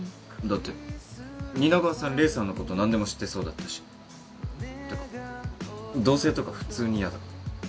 だって蜷川さん黎さんのこと何でも知ってそうだったしってか同棲とか普通に嫌だ